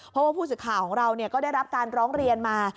เพราะว่าผู้สื่อข่าวของเราก็ได้รับการร้องเรียนมา